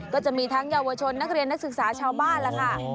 ก็จะมีทั้งเยาวชนนักเรียนนักศึกษาชาวบ้านล่ะค่ะ